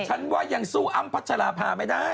ฉันว่ายังสู้อ้ำพัชราภาไม่ได้